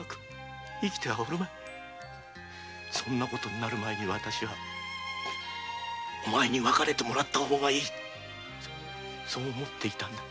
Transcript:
そんなことになる前にお前に別れてもらった方がいいとそう思っていたんだ。